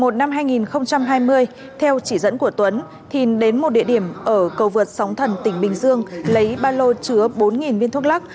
tháng một mươi một năm hai nghìn hai mươi theo chỉ dẫn của tuấn thìn đến một địa điểm ở cầu vượt sóng thần tỉnh bình dương lấy ba lô chứa bốn viên thuốc lắc